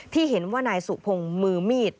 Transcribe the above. ที่เห็นว่านายสุพงศ์มือมีด